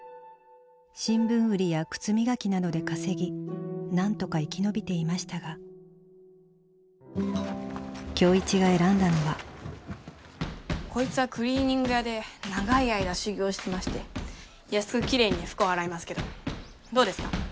新聞売りや靴磨きなどで稼ぎなんとか生き延びていましたが今日一が選んだのはこいつはクリーニング屋で長い間修業してまして安くきれいに服を洗いますけどどうですか？